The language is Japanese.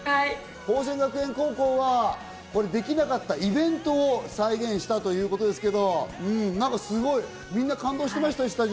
宝仙学園高校はできなかったイベントを再現したということですけどすごいみんな感動してましたよスタジオで。